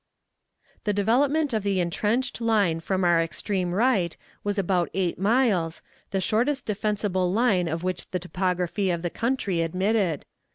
The development of the intrenched line from our extreme right was about eight miles, the shortest defensible line of which the topography of the country admitted.